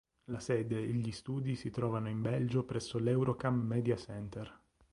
La sede e gli studi si trovano in Belgio presso l'Eurocam Media Center.